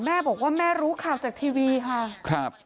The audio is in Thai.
แม่บอกว่าแม่รู้ข่าวจากทีวีค่ะครับ